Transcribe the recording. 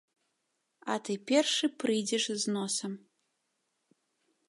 А ты першы прыйдзеш з носам.